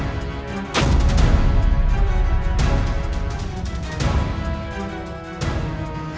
aku akan menangkapmu